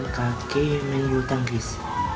kaki main bulu tangkis